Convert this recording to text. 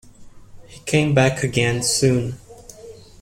He came back again soon.